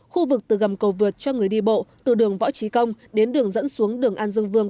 khu vực từ gầm cầu vượt cho người đi bộ từ đường võ trí công đến đường dẫn xuống đường an dương vương